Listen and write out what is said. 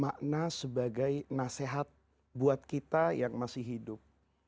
makna sebagai nasihat buat kita yang masih hidup